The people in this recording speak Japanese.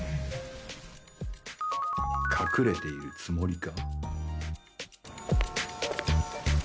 隠れているつもりか。